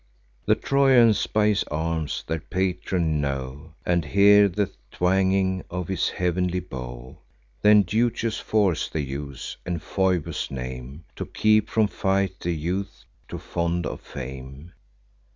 The Trojans, by his arms, their patron know, And hear the twanging of his heav'nly bow. Then duteous force they use, and Phoebus' name, To keep from fight the youth too fond of fame.